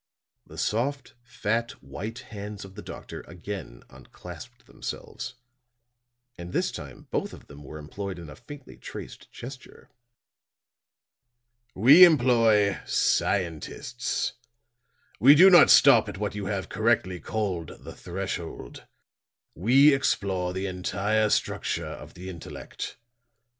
The soft, fat, white hands of the doctor again unclasped themselves; and this time both of them were employed in a faintly traced gesture. "We employ scientists. We do not stop at what you have correctly called the threshold. We explore the entire structure of the intellect.